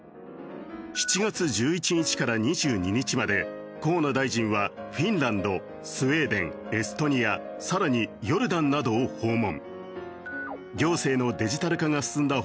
７月１１日から２２日まで河野大臣はフィンランドスウェーデンエストニア更にヨルダンなどを訪問。